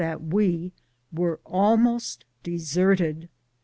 161 that we were .almost deserted.